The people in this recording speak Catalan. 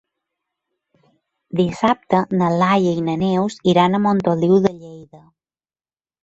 Dissabte na Laia i na Neus iran a Montoliu de Lleida.